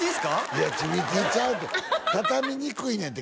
いやちびＴちゃうって畳みにくいねんて